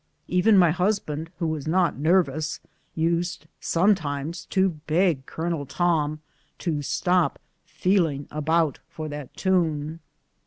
Even my husband, who was not nervous, used sometimes to beg Colonel Tom to stop " feeling about for that tune